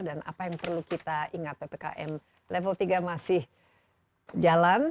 dan apa yang perlu kita ingat ppkm level tiga masih jalan